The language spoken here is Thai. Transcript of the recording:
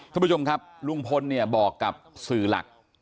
ทุกผู้ชมครับรุงพลบอกกับสื่อหลัก